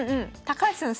高橋さん